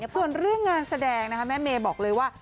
ส่วนเรื่องงานแสดงนะคะแม่เมย์บอกเลยว่า